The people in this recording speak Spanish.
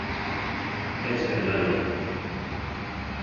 Es gregaria.